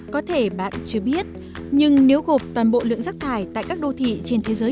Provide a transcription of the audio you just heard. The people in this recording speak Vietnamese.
có thể bạn chưa biết nhưng nếu gộp toàn bộ lượng rác thải tại các đô thị trên thế giới